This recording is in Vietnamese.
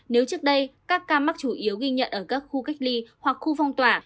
nếu trước đây các ca mắc chủ yếu ghi nhận ở các khu cách ly hoặc khu phong tỏa